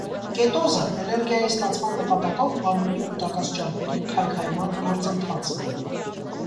Կետոզը՝ էներգիայի ստացման նպատակով մարմնի կուտակած ճարպերի քայքայման գործընթացն է։